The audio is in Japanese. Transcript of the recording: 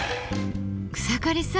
草刈さん